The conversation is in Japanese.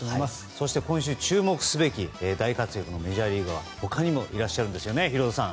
そして今週、注目すべき大活躍のメジャーリーガーは他にもいらっしゃるんですよね。